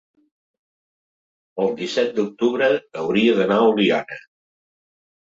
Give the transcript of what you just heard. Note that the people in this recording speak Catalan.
el disset d'octubre hauria d'anar a Oliana.